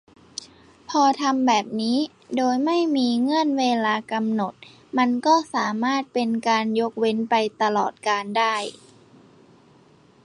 พอทำแบบนี้ โดยไม่มีเงื่อนเวลากำหนด มันก็สามารถเป็นการยกเว้นไปตลอดกาลได้